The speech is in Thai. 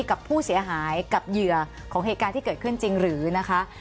กับผู้เสียหายกับเหยื่อของเหตุการณ์ที่เกิดขึ้นจริงหรือนะคะ